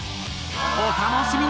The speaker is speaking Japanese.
お楽しみに！